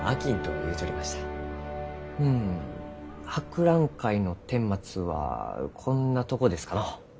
うん博覧会のてんまつはこんなとこですかのう。